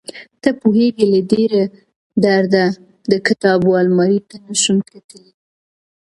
ته پوهېږې له ډېره درده د کتابو المارۍ ته نشم کتلى.